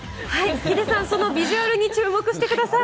ヒデさん、そのビジュアルに注目してください。